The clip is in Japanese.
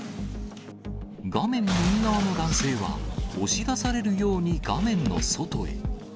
画面右側の男性は、押し出されるように画面の外へ。